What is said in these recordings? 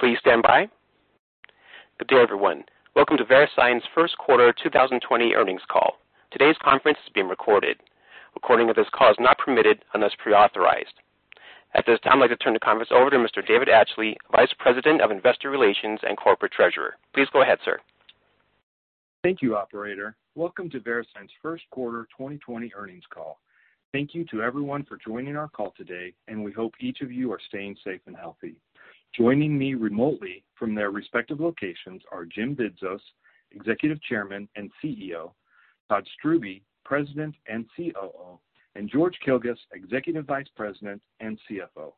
Please stand by. Good day, everyone. Welcome to VeriSign's first quarter 2020 earnings call. Today's conference is being recorded. Recording of this call is not permitted unless pre-authorized. At this time, I'd like to turn the conference over to Mr. David Atchley, Vice President of Investor Relations and Corporate Treasurer. Please go ahead, sir. Thank you, operator. Welcome to VeriSign's first quarter 2020 earnings call. Thank you to everyone for joining our call today, and we hope each of you are staying safe and healthy. Joining me remotely from their respective locations are Jim Bidzos, Executive Chairman and CEO, Todd Strubbe, President and COO, and George Kilguss, Executive Vice President and CFO.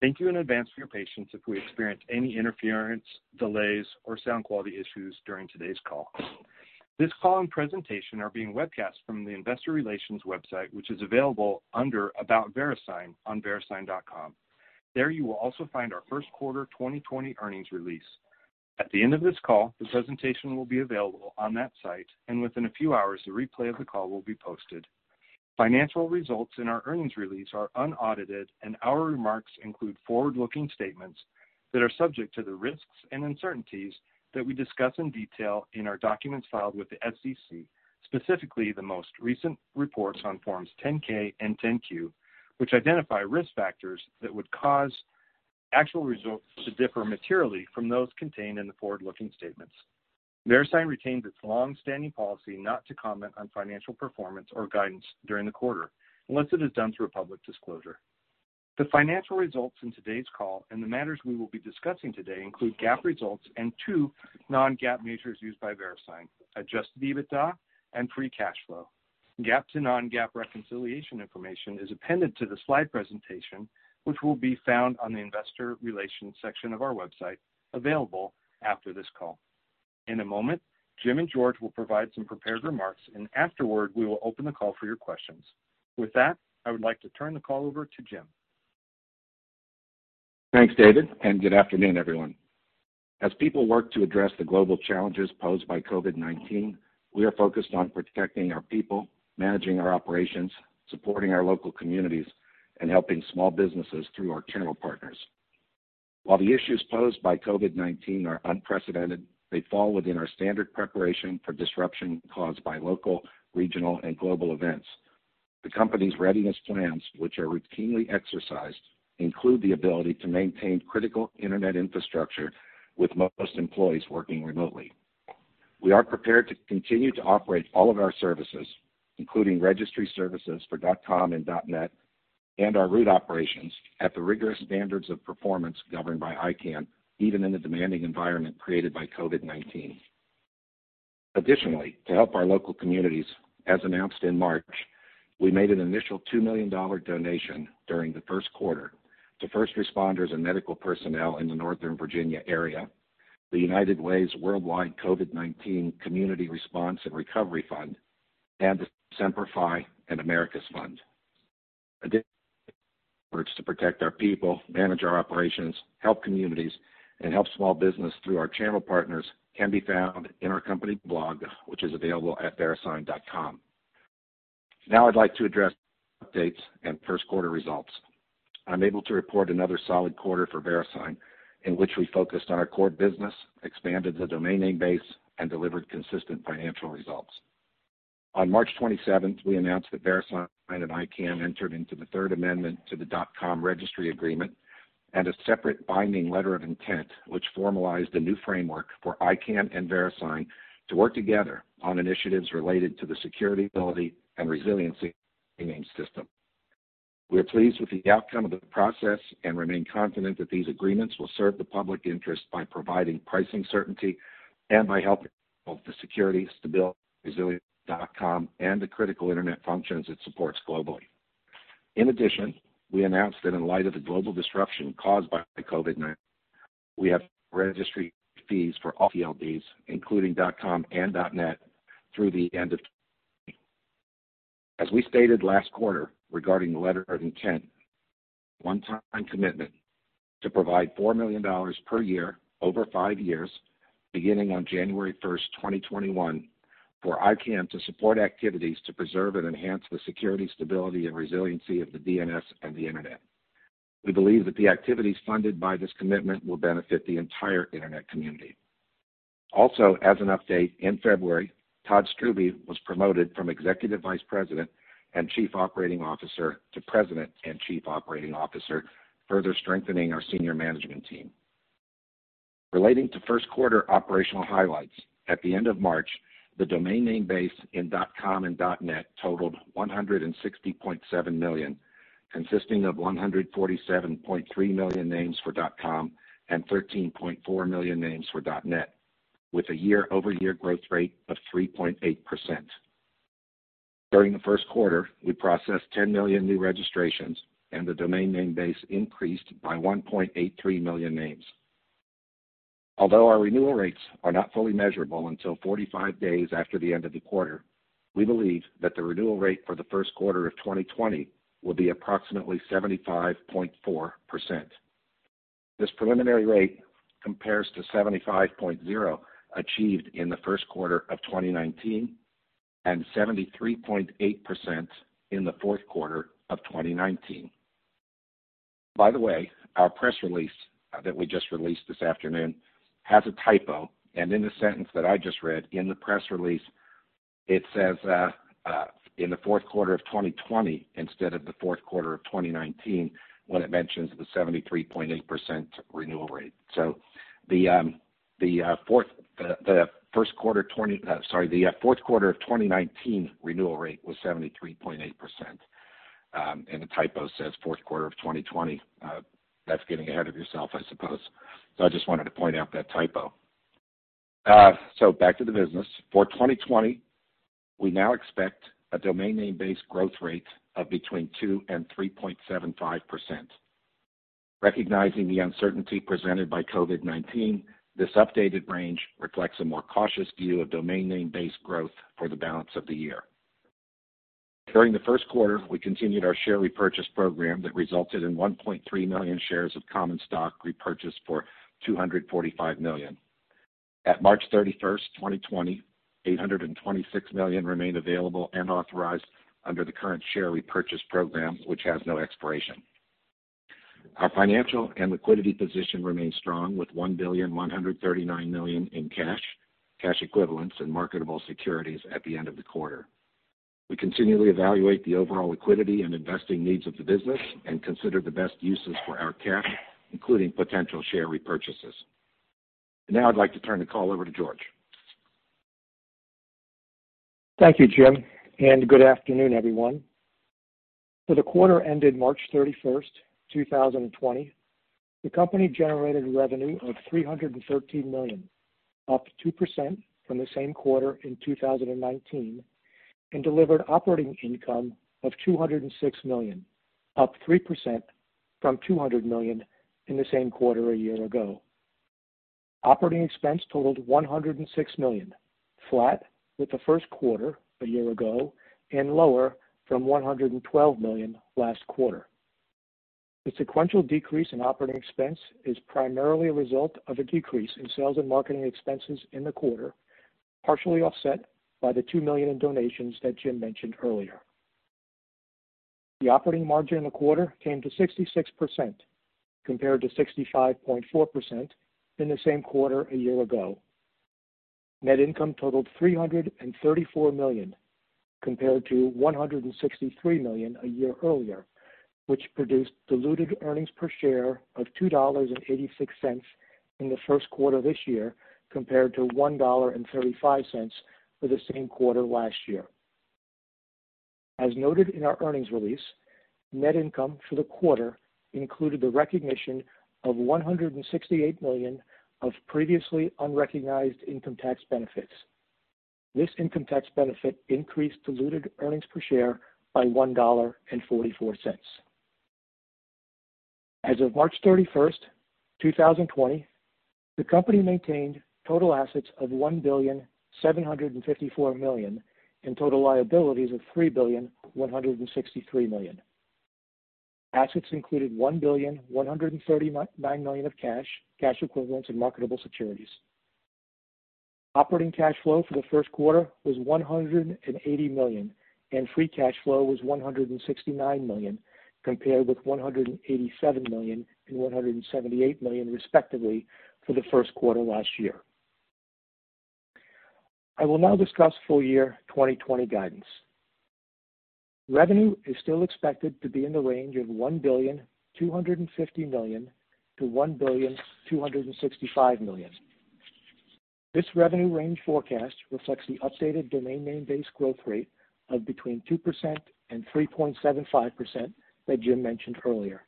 Thank you in advance for your patience if we experience any interference, delays, or sound quality issues during today's call. This call and presentation are being webcast from the investor relations website, which is available under About VeriSign on verisign.com. There you will also find our first quarter 2020 earnings release. At the end of this call, the presentation will be available on that site, and within a few hours, a replay of the call will be posted. Financial results in our earnings release are unaudited, and our remarks include forward-looking statements that are subject to the risks and uncertainties that we discuss in detail in our documents filed with the SEC, specifically the most recent reports on Forms 10-K and 10-Q, which identify risk factors that would cause actual results to differ materially from those contained in the forward-looking statements. VeriSign retains its longstanding policy not to comment on financial performance or guidance during the quarter, unless it has done so in public disclosure. The financial results in today's call and the matters we will be discussing today include GAAP results and two non-GAAP measures used by VeriSign, adjusted EBITDA and free cash flow. GAAP to non-GAAP reconciliation information is appended to the slide presentation, which will be found on the investor relations section of our website, available after this call. In a moment, Jim and George will provide some prepared remarks, and afterward, we will open the call for your questions. With that, I would like to turn the call over to Jim. Thanks, David, good afternoon, everyone. As people work to address the global challenges posed by COVID-19, we are focused on protecting our people, managing our operations, supporting our local communities, and helping small businesses through our channel partners. While the issues posed by COVID-19 are unprecedented, they fall within our standard preparation for disruption caused by local, regional, and global events. The company's readiness plans, which are routinely exercised, include the ability to maintain critical internet infrastructure with most employees working remotely. We are prepared to continue to operate all of our services, including registry services for .com and .net, and our root operations at the rigorous standards of performance governed by ICANN, even in the demanding environment created by COVID-19. Additionally, to help our local communities, as announced in March, we made an initial $2 million donation during the first quarter to first responders and medical personnel in the Northern Virginia area, the United Way's worldwide COVID-19 Community Response and Recovery Fund, and the Semper Fi & America's Fund. Additional efforts to protect our people, manage our operations, help communities, and help small business through our channel partners can be found in our company blog, which is available at verisign.com. Now I'd like to address updates and first quarter results. I'm able to report another solid quarter for VeriSign, in which we focused on our core business, expanded the domain name base, and delivered consistent financial results. On March 27th, we announced that VeriSign and ICANN entered into the Third Amendment to the .com Registry Agreement and a separate binding letter of intent, which formalized a new framework for ICANN and VeriSign to work together on initiatives related to the security, stability, and resiliency of the domain name system. We're pleased with the outcome of the process and remain confident that these agreements will serve the public interest by providing pricing certainty and by helping both the security, stability, and resiliency of .com and the critical internet functions it supports globally. In addition, we announced that in light of the global disruption caused by COVID-19, we have registry fees for all TLDs, including .com and .net through the end of 2020. As we stated last quarter regarding the letter of intent, a one-time commitment to provide $4 million per year over five years, beginning on January 1st, 2021, for ICANN to support activities to preserve and enhance the security, stability, and resiliency of the DNS and the internet. We believe that the activities funded by this commitment will benefit the entire internet community. Also, as an update, in February, Todd Strubbe was promoted from Executive Vice President and Chief Operating Officer to President and Chief Operating Officer, further strengthening our senior management team. Relating to first quarter operational highlights, at the end of March, the domain name base in .com and .net totaled 160.7 million, consisting of 147.3 million names for .com and 13.4 million names for .net, with a year-over-year growth rate of 3.8%. During the first quarter, we processed 10 million new registrations, and the domain name base increased by 1.83 million names. Although our renewal rates are not fully measurable until 45 days after the end of the quarter, we believe that the renewal rate for the first quarter of 2020 will be approximately 75.4%. This preliminary rate compares to 75.0% achieved in the first quarter of 2019 and 73.8% in the fourth quarter of 2019. By the way, our press release that we just released this afternoon has a typo, and in the sentence that I just read in the press release, it says, "In the fourth quarter of 2020," instead of the fourth quarter of 2019, when it mentions the 73.8% renewal rate. The fourth quarter of 2019 renewal rate was 73.8%, and the typo says fourth quarter of 2020. That's getting ahead of yourself, I suppose. I just wanted to point out that typo. Back to the business. For 2020, we now expect a domain name base growth rate of between 2% and 3.75%. Recognizing the uncertainty presented by COVID-19, this updated range reflects a more cautious view of domain name base growth for the balance of the year. During the first quarter, we continued our share repurchase program that resulted in 1.3 million shares of common stock repurchased for $245 million. At March 31st, 2020, $826 million remained available and authorized under the current share repurchase program, which has no expiration. Our financial and liquidity position remains strong, with $1.139 billion in cash equivalents, and marketable securities at the end of the quarter. We continually evaluate the overall liquidity and investing needs of the business and consider the best uses for our cash, including potential share repurchases. Now I'd like to turn the call over to George. Thank you, Jim, and good afternoon, everyone. For the quarter ended March 31st, 2020, the company generated revenue of $313 million, up 2% from the same quarter in 2019, and delivered operating income of $206 million, up 3% from $200 million in the same quarter a year ago. Operating expense totaled $106 million, flat with the first quarter a year ago and lower from $112 million last quarter. The sequential decrease in operating expense is primarily a result of a decrease in sales and marketing expenses in the quarter, partially offset by the $2 million in donations that Jim mentioned earlier. The operating margin in the quarter came to 66%, compared to 65.4% in the same quarter a year ago. Net income totaled $334 million, compared to $163 million a year earlier, which produced diluted earnings per share of $2.86 in the first quarter of this year, compared to $1.35 for the same quarter last year. As noted in our earnings release, net income for the quarter included the recognition of $168 million of previously unrecognized income tax benefits. This income tax benefit increased diluted earnings per share by $1.44. As of March 31st, 2020, the company maintained total assets of $1.754 billion and total liabilities of $3.163 billion. Assets included $1.139 billion of cash equivalents, and marketable securities. Operating cash flow for the first quarter was $180 million, and free cash flow was $169 million, compared with $187 million and $178 million respectively for the first quarter last year. I will now discuss full year 2020 guidance. Revenue is still expected to be in the range of $1.250 billion-$1.265 billion. This revenue range forecast reflects the updated domain name base growth rate of between 2% and 3.75% that Jim mentioned earlier.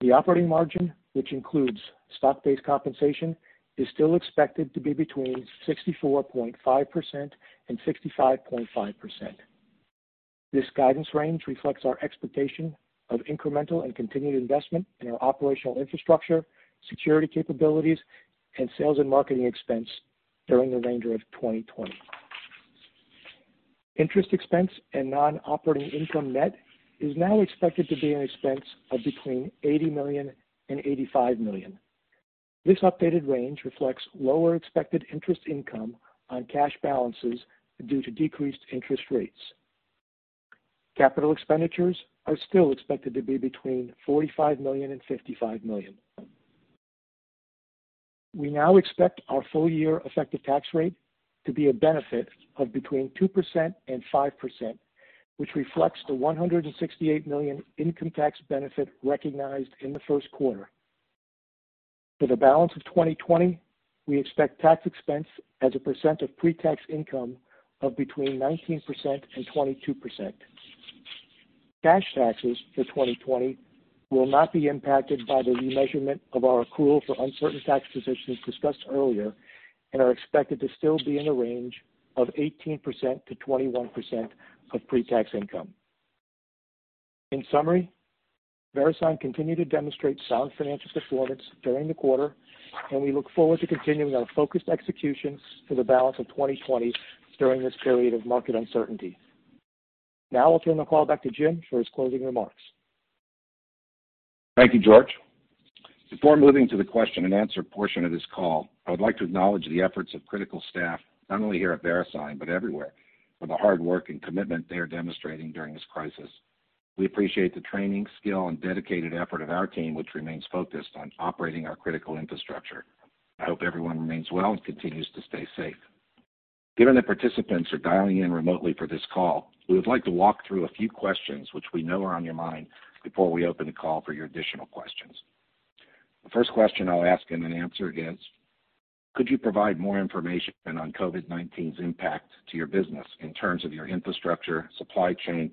The operating margin, which includes stock-based compensation, is still expected to be between 64.5% and 65.5%. This guidance range reflects our expectation of incremental and continued investment in our operational infrastructure, security capabilities, and sales and marketing expense during the remainder of 2020. Interest expense and non-operating income net is now expected to be an expense of between $80 million and $85 million. This updated range reflects lower expected interest income on cash balances due to decreased interest rates. Capital expenditures are still expected to be between $45 million and $55 million. We now expect our full year effective tax rate to be a benefit of between 2% and 5%, which reflects the $168 million income tax benefit recognized in the first quarter. For the balance of 2020, we expect tax expense as a percent of pre-tax income of between 19%-22%. Cash taxes for 2020 will not be impacted by the remeasurement of our accrual for uncertain tax positions discussed earlier and are expected to still be in the range of 18%-21% of pre-tax income. In summary, VeriSign continued to demonstrate sound financial performance during the quarter, and we look forward to continuing our focused executions for the balance of 2020 during this period of market uncertainty. I'll turn the call back to Jim for his closing remarks. Thank you, George. Before moving to the question and answer portion of this call, I would like to acknowledge the efforts of critical staff, not only here at VeriSign, but everywhere. For the hard work and commitment they are demonstrating during this crisis. We appreciate the training, skill, and dedicated effort of our team, which remains focused on operating our critical infrastructure. I hope everyone remains well and continues to stay safe. Given that participants are dialing in remotely for this call, we would like to walk through a few questions which we know are on your mind before we open the call for your additional questions. The first question I'll ask and then answer is, could you provide more information on COVID-19's impact to your business in terms of your infrastructure, supply chain,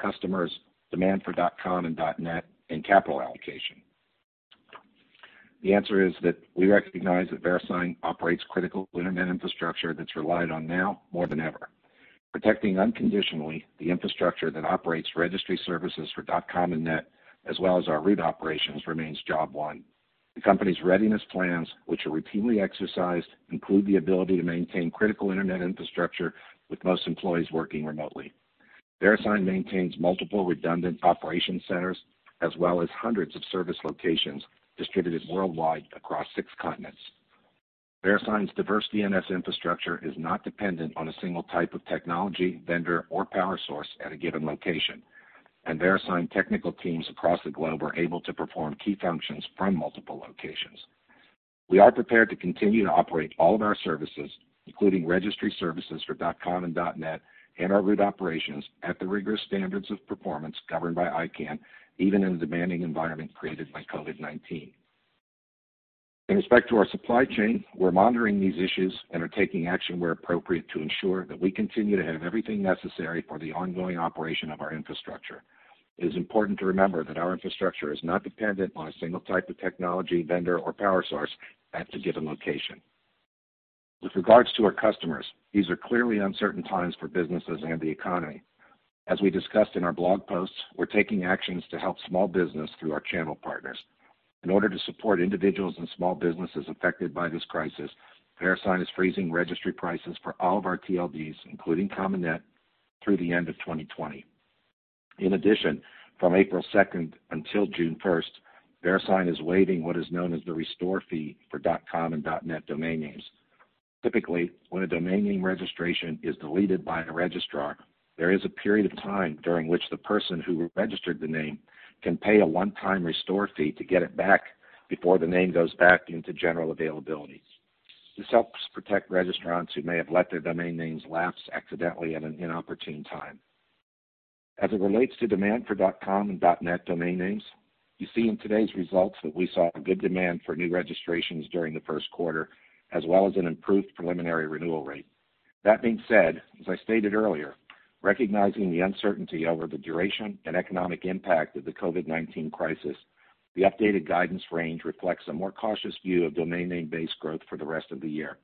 customers, demand for .com and .net, and capital allocation? The answer is that we recognize that VeriSign operates critical internet infrastructure that's relied on now more than ever. Protecting unconditionally the infrastructure that operates registry services for .com and .net, as well as our root operations, remains job one. The company's readiness plans, which are routinely exercised, include the ability to maintain critical internet infrastructure with most employees working remotely. VeriSign maintains multiple redundant operation centers as well as hundreds of service locations distributed worldwide across six continents. VeriSign's diverse DNS infrastructure is not dependent on a single type of technology, vendor, or power source at a given location, and VeriSign technical teams across the globe are able to perform key functions from multiple locations. We are prepared to continue to operate all of our services, including registry services for .com and .net, and our root operations at the rigorous standards of performance governed by ICANN, even in the demanding environment created by COVID-19. In respect to our supply chain, we're monitoring these issues and are taking action where appropriate to ensure that we continue to have everything necessary for the ongoing operation of our infrastructure. It is important to remember that our infrastructure is not dependent on a single type of technology, vendor, or power source at a given location. With regards to our customers, these are clearly uncertain times for businesses and the economy. As we discussed in our blog posts, we're taking actions to help small business through our channel partners. In order to support individuals and small businesses affected by this crisis, VeriSign is freezing registry prices for all of our TLDs, including .com and .net, through the end of 2020. In addition, from April second until June first, VeriSign is waiving what is known as the restore fee for .com and .net domain names. Typically, when a domain name registration is deleted by a registrar, there is a period of time during which the person who registered the name can pay a one-time restore fee to get it back before the name goes back into general availability. This helps protect registrants who may have let their domain names lapse accidentally at an inopportune time. As it relates to demand for .com and .net domain names, you see in today's results that we saw a good demand for new registrations during the first quarter, as well as an improved preliminary renewal rate. That being said, as I stated earlier, recognizing the uncertainty over the duration and economic impact of the COVID-19 crisis, the updated guidance range reflects a more cautious view of domain name base growth for the rest of the year.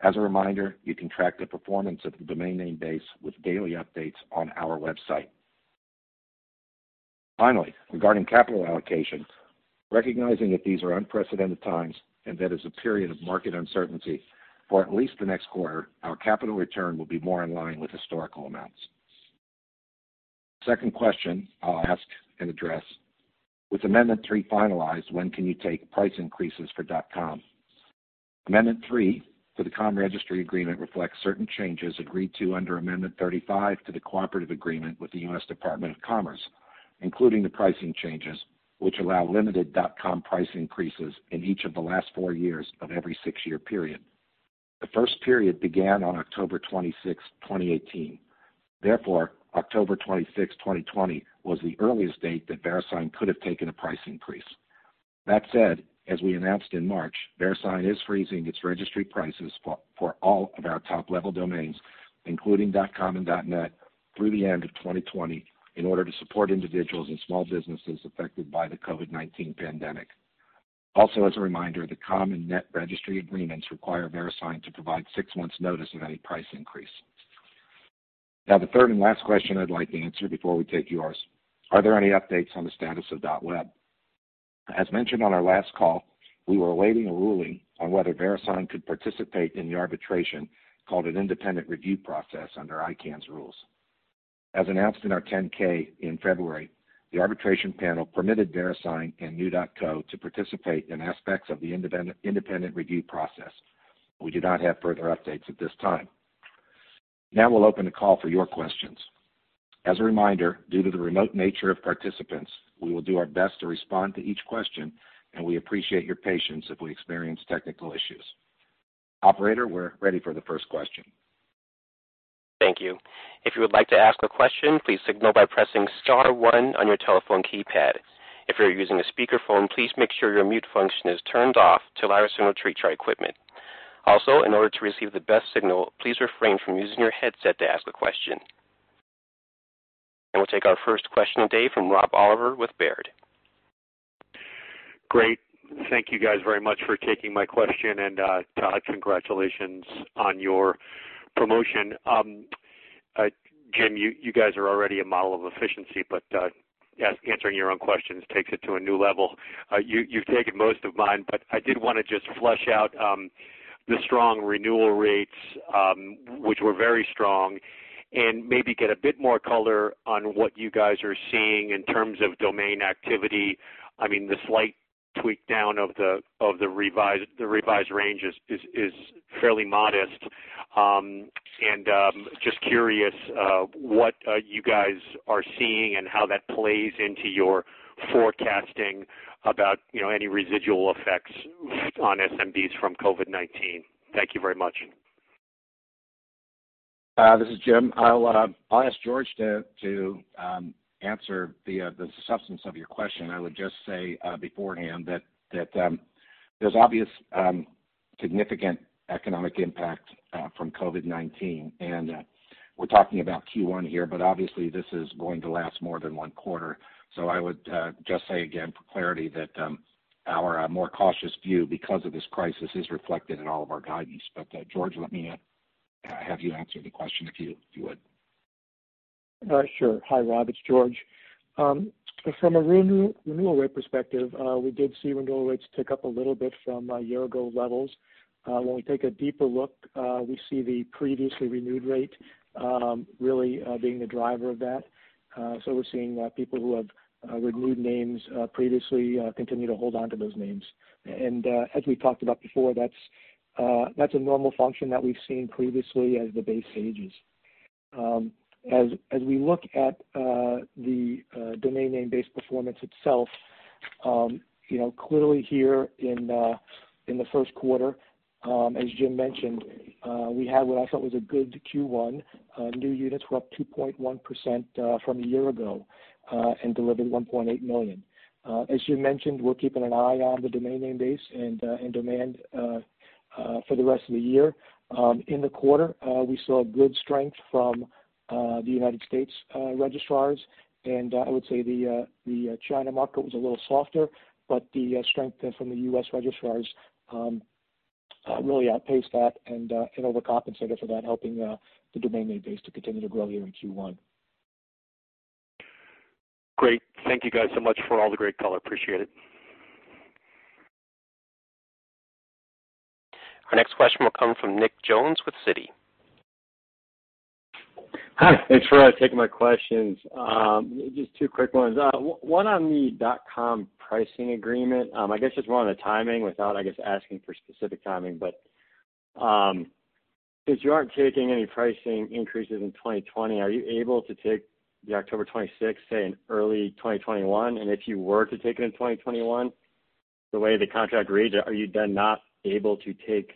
As a reminder, you can track the performance of the domain name base with daily updates on our website. Finally, regarding capital allocation, recognizing that these are unprecedented times and that it's a period of market uncertainty, for at least the next quarter, our capital return will be more in line with historical amounts. Second question I'll ask and address, with Amendment three finalized, when can you take price increases for .com? Amendment Three for the .com Registry Agreement reflects certain changes agreed to under Amendment 35 to the Cooperative Agreement with the U.S. Department of Commerce, including the pricing changes, which allow limited .com price increases in each of the last four years of every six-year period. The first period began on October 26th, 2018. Therefore, October 26th, 2020 was the earliest date that VeriSign could have taken a price increase. That said, as we announced in March, VeriSign is freezing its registry prices for all of our top-level domains, including .com and .net, through the end of 2020 in order to support individuals and small businesses affected by the COVID-19 pandemic. Also, as a reminder, the .com and .net Registry Agreements require VeriSign to provide six months notice of any price increase. The third and last question I'd like to answer before we take yours, are there any updates on the status of .web? As mentioned on our last call, we were awaiting a ruling on whether VeriSign could participate in the arbitration, called an Independent Review Process under ICANN's rules. As announced in our 10-K in February, the arbitration panel permitted VeriSign and New.co to participate in aspects of the Independent Review Process. We do not have further updates at this time. We'll open the call for your questions. As a reminder, due to the remote nature of participants, we will do our best to respond to each question, and we appreciate your patience if we experience technical issues. Operator, we're ready for the first question. Thank you. If you would like to ask a question, please signal by pressing star one on your telephone keypad. If you're using a speakerphone, please make sure your mute function is turned off to allow us to monitor our equipment. Also, in order to receive the best signal, please refrain from using your headset to ask a question. We'll take our first question of the day from Rob Oliver with Baird. Great. Thank you guys very much for taking my question. Todd, congratulations on your promotion. Jim, you guys are already a model of efficiency, but answering your own questions takes it to a new level. You've taken most of mine. I did want to just flesh out the strong renewal rates, which were very strong, and maybe get a bit more color on what you guys are seeing in terms of domain activity. The slight tweak down of the revised range is fairly modest. Just curious what you guys are seeing and how that plays into your forecasting about any residual effects on SMBs from COVID-19. Thank you very much. This is Jim. I'll ask George to answer the substance of your question. I would just say beforehand that there's obvious significant economic impact from COVID-19, and we're talking about Q1 here, but obviously this is going to last more than one quarter. I would just say again for clarity that our more cautious view, because of this crisis, is reflected in all of our guidance. George, let me have you answer the question, if you would. Sure. Hi, Rob. It's George. From a renewal rate perspective, we did see renewal rates tick up a little bit from year-ago levels. We take a deeper look, we see the previously renewed rate really being the driver of that. We're seeing people who have renewed names previously continue to hold onto those names. As we talked about before, that's a normal function that we've seen previously as the base ages. As we look at the domain name base performance itself, clearly here in the first quarter, as Jim mentioned, we had what I thought was a good Q1. New units were up 2.1% from a year ago, delivered 1.8 million. As Jim mentioned, we're keeping an eye on the domain name base and demand for the rest of the year. In the quarter, we saw good strength from the United States registrars, and I would say the China market was a little softer, but the strength from the U.S. registrars really outpaced that and overcompensated for that, helping the domain name base to continue to grow here in Q1. Great. Thank you guys so much for all the great color. Appreciate it. Our next question will come from Nick Jones with Citi. Hi, thanks for taking my questions. Just two quick ones. One on the .com pricing agreement, I guess just more on the timing without, I guess, asking for specific timing, but since you aren't taking any pricing increases in 2020, are you able to take the October 26, say, in early 2021? If you were to take it in 2021, the way the contract reads, are you then not able to take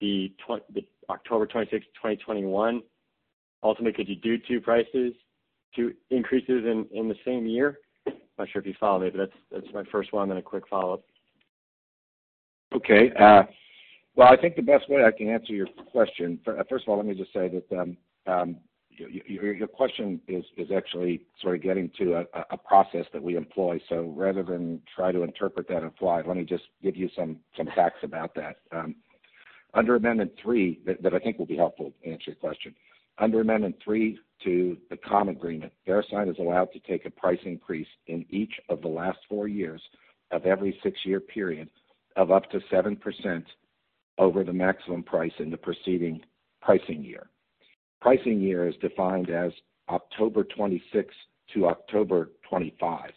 the October 26, 2021? Ultimately, could you do two prices, two increases in the same year? I'm not sure if you followed me, that's my first one. A quick follow-up. Well, I think the best way I can answer your question. First of all, let me just say that your question is actually sort of getting to a process that we employ. Rather than try to interpret that implied, let me just give you some facts about that I think will be helpful to answer your question. Under Amendment Three to the .com Registry Agreement, VeriSign is allowed to take a price increase in each of the last four years of every six-year period of up to 7% over the maximum price in the preceding pricing year. Pricing year is defined as October 26 to October 25.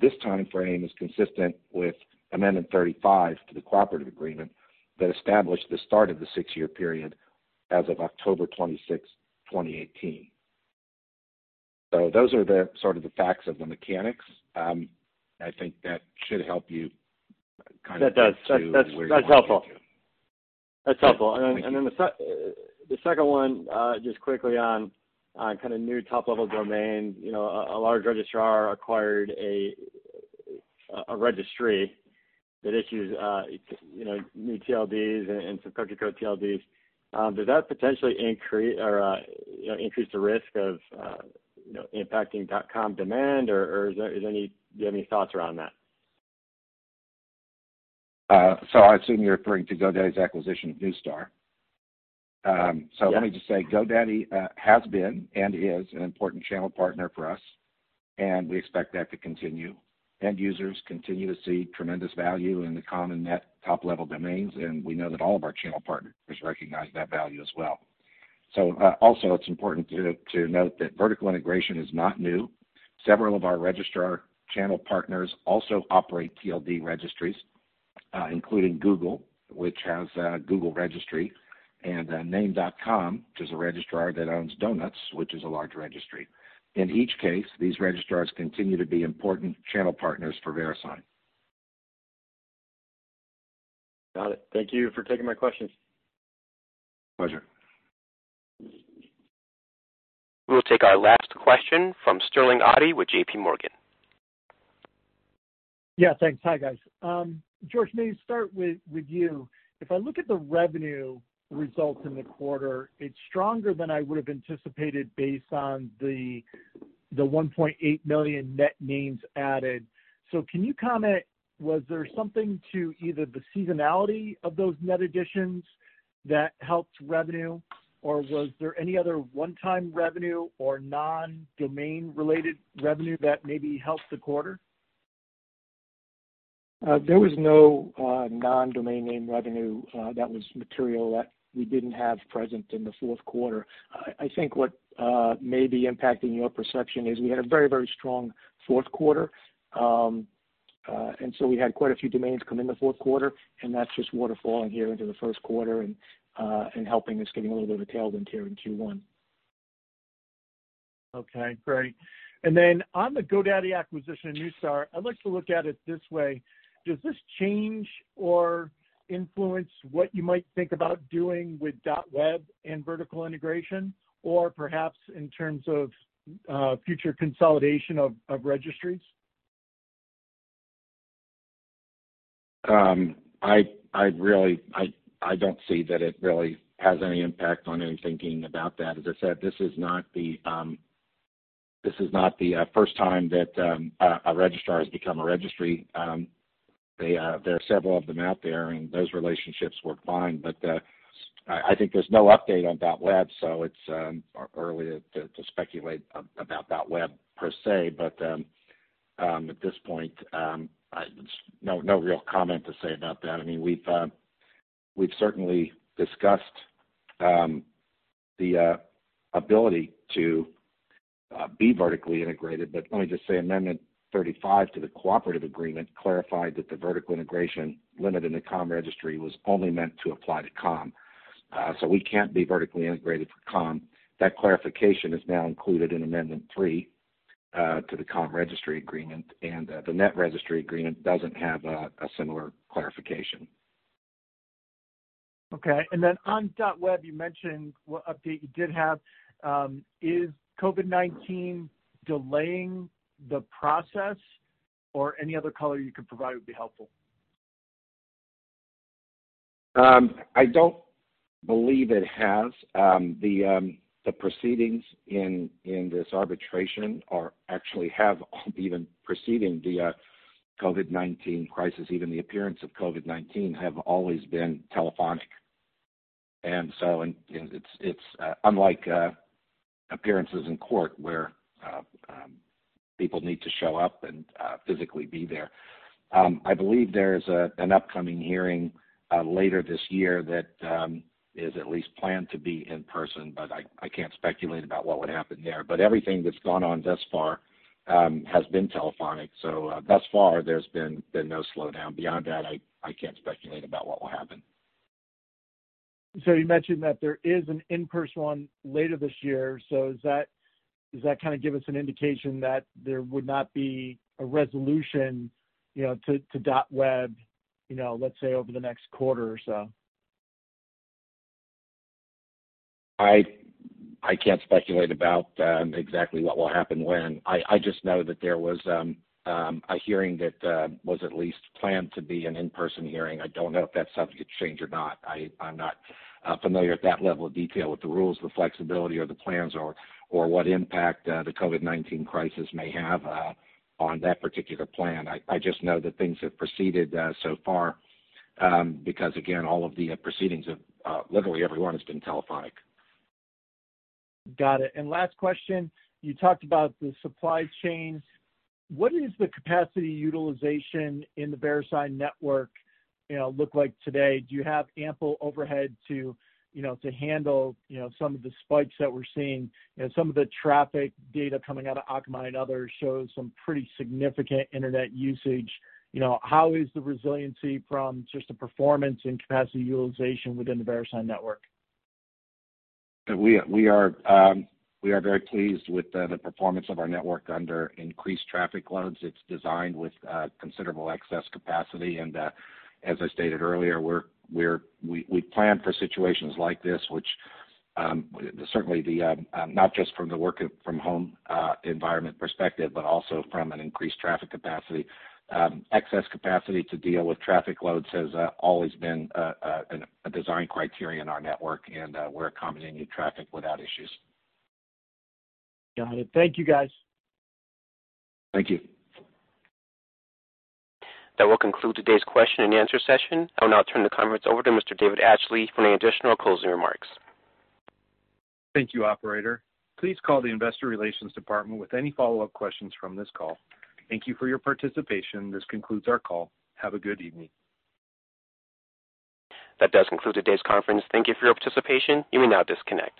This timeframe is consistent with Amendment 35 to the Cooperative Agreement that established the start of the six-year period as of October 26, 2018. Those are the sort of the facts of the mechanics. I think that should help you. That does get to where you want to get to. That's helpful. Thank you. The second one, just quickly on kind of new top-level domain. A large registrar acquired a registry that issues new TLDs and some country code TLDs. Does that potentially increase the risk of impacting .com demand, or do you have any thoughts around that? I assume you're referring to GoDaddy's acquisition of Neustar. Yes. Let me just say, GoDaddy has been and is an important channel partner for us, and we expect that to continue. End users continue to see tremendous value in the .com and .net top-level domains, and we know that all of our channel partners recognize that value as well. Also, it's important to note that vertical integration is not new. Several of our registrar channel partners also operate TLD registries, including Google, which has Google Registry, and Name.com, which is a registrar that owns Donuts, which is a large registry. In each case, these registrars continue to be important channel partners for VeriSign. Got it. Thank you for taking my questions. Pleasure. We will take our last question from Sterling Auty with JPMorgan. Yeah, thanks. Hi, guys. George, may start with you. If I look at the revenue results in the quarter, it's stronger than I would've anticipated based on the 1.8 million net names added. Can you comment, was there something to either the seasonality of those net additions? That helped revenue? Was there any other one-time revenue or non-domain related revenue that maybe helped the quarter? There was no non-domain name revenue that was material that we didn't have present in the fourth quarter. I think what may be impacting your perception is we had a very strong fourth quarter. We had quite a few domains come in the fourth quarter, and that's just waterfalling here into the first quarter and helping us getting a little bit of a tailwind here in Q1. Okay, great. On the GoDaddy acquisition and Neustar, I like to look at it this way. Does this change or influence what you might think about doing with .web and vertical integration? Or perhaps in terms of future consolidation of registries? I don't see that it really has any impact on any thinking about that. As I said, this is not the first time that a registrar has become a registry. There are several of them out there, and those relationships work fine. I think there's no update on .web, so it's early to speculate about .web per se. At this point, no real comment to say about that. We've certainly discussed the ability to be vertically integrated. Let me just say, Amendment 35 to the Cooperative Agreement clarified that the vertical integration limit in the .com Registry was only meant to apply to .com. We can't be vertically integrated for .com. That clarification is now included in Amendment Three to the .com Registry Agreement, and the .net Registry Agreement doesn't have a similar clarification. Okay, on .web, you mentioned what update you did have. Is COVID-19 delaying the process? Or any other color you could provide would be helpful. I don't believe it has. The proceedings in this arbitration actually have even preceding the COVID-19 crisis, even the appearance of COVID-19, have always been telephonic. It's unlike appearances in court, where people need to show up and physically be there. I believe there is an upcoming hearing later this year that is at least planned to be in person, but I can't speculate about what would happen there. Everything that's gone on thus far has been telephonic, so thus far, there's been no slowdown. Beyond that, I can't speculate about what will happen. You mentioned that there is an in-person one later this year. Does that kind of give us an indication that there would not be a resolution to .web, let's say, over the next quarter or so? I can't speculate about exactly what will happen when. I just know that there was a hearing that was at least planned to be an in-person hearing. I don't know if that's subject to change or not. I'm not familiar at that level of detail with the rules, the flexibility or the plans, or what impact the COVID-19 crisis may have on that particular plan. I just know that things have proceeded so far because, again, all of the proceedings of literally everyone has been telephonic. Got it. Last question, you talked about the supply chains. What is the capacity utilization in the VeriSign network look like today? Do you have ample overhead to handle some of the spikes that we're seeing? Some of the traffic data coming out of Akamai and others shows some pretty significant internet usage. How is the resiliency from just the performance and capacity utilization within the VeriSign network? We are very pleased with the performance of our network under increased traffic loads. It's designed with considerable excess capacity, and as I stated earlier, we plan for situations like this, which certainly not just from the work from home environment perspective, but also from an increased traffic capacity. Excess capacity to deal with traffic loads has always been a design criteria in our network, and we're accommodating new traffic without issues. Got it. Thank you, guys. Thank you. That will conclude today's question and answer session. I'll now turn the conference over to Mr. David Atchley for any additional closing remarks. Thank you, operator. Please call the investor relations department with any follow-up questions from this call. Thank you for your participation. This concludes our call. Have a good evening. That does conclude today's conference. Thank you for your participation. You may now disconnect.